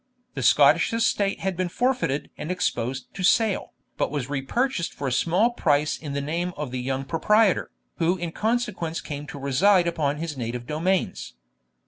The Scottish estate had been forfeited and exposed to sale, but was repurchased for a small price in the name of the young proprietor, who in consequence came to reside upon his native domains.